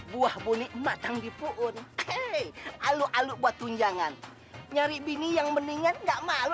buah buni matang dipun hei alu alunya buat tunjangan nyari bini yang mendingan gak malu